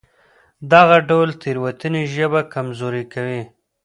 دغه ډول تېروتنې ژبه کمزورې کوي.